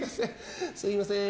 すみません。